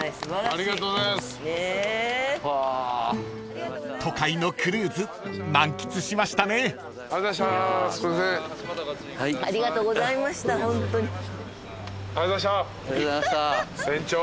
ありがとうございました船長。